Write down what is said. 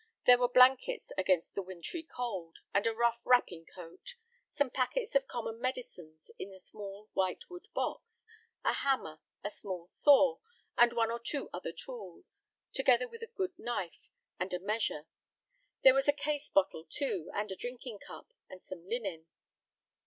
There were blankets against the wintry cold, and a rough wrapping coat; some packets of common medicines in a small white wood box; a hammer, a small saw, and one or two other tools, together with a good knife, and a measure. There was a case bottle, too, and a drinking cup, and some linen.